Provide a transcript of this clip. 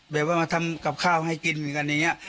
แบบว่ามาทำกับข้าวให้กินเหมือนกันอย่างนี้